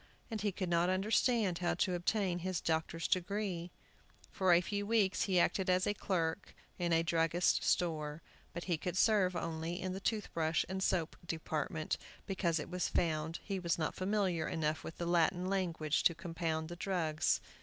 And he could not understand how to obtain his doctor's degree. For a few weeks he acted as clerk in a druggist's store. But he could serve only in the toothbrush and soap department, because it was found he was not familiar enough with the Latin language to compound the drugs.